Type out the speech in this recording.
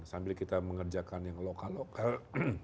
sambil kita mengerjakan yang lokal lokal